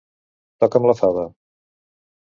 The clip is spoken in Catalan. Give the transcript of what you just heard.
Toca'm la fava!